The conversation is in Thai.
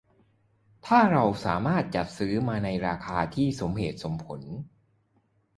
ถ้าเราสามารถจัดซื้อมาในราคาที่สมเหตุสมผล